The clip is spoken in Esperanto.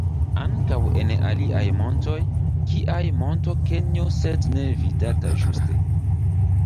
Ankaŭ en aliaj montoj, kiaj Monto Kenjo sed ne vidata ĵuse.